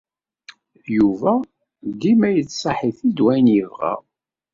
Yuba dima yettṣaḥ-it-id wayen yebɣa.